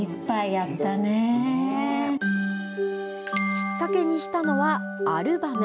きっかけにしたのはアルバム。